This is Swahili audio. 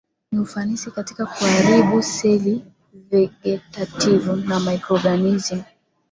Ni ufanisi katika kuharibu seli vegetative ya microorganism